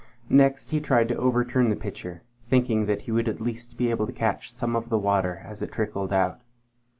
Next he tried to overturn the pitcher, thinking that he would at least be able to catch some of the water as it trickled out.